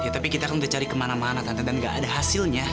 ya tapi kita akan dicari kemana mana tante dan nggak ada hasilnya